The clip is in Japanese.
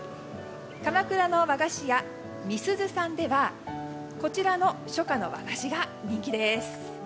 鎌倉の和菓子屋、美鈴さんではこちらの初夏の和菓子が人気です。